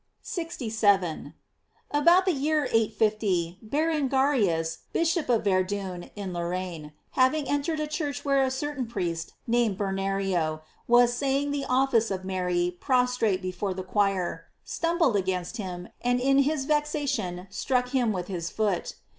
* 67. — About the year 850, Berengarius, Bishop of Verdun, in Lorraine, having entered a church where a certain priest named Bernerio was say ing the office of Mary prostrate before the choir, stumbled against him, and in his vexation struck him with his foot.